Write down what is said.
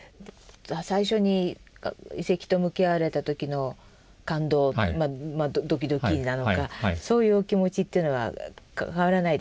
最初に遺跡と向き合われた時の感動ドキドキなのかそういうお気持ちというのは変わらないですか？